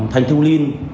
thành thương liên